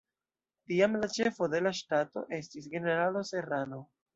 Tiam, la ĉefo de la ŝtato estis generalo Serrano.